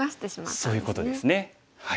そういうことですね。